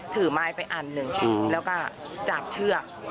ถือไม้ไปอันหนึ่งแล้วก็จากเชือก